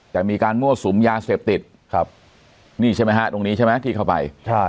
แต่มีการมั่วสุมยาเสพติดครับนี่ใช่ไหมฮะตรงนี้ใช่ไหมที่เข้าไปใช่